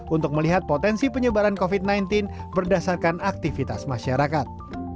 untuk melihat potensi penyebaran covid sembilan belas berdasarkan aktivitas masyarakat